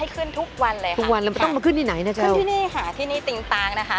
ขึ้นที่นี่ค่ะที่นี่ติงตางนะคะ